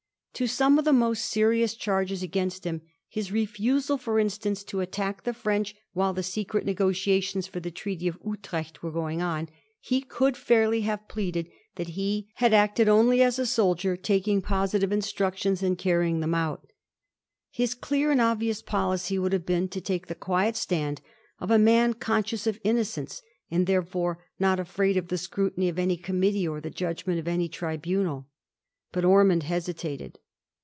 To some of the most serious charges against him, his refusal, for instance, to attack the French while the secret negotiations for the Treaty of Utrecht were going on, he could fairly have pleaded that he had acted only as a soldier taking positive instructions and carrying them out. His clear and obvious policy would have been to take the quiet stand of a man conscious of innocence and therefore not afraid of the scrutiny of any committee or the judgment of any tribunal. But Ormond hesitated.